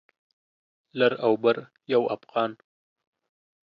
لر او بر یو افغان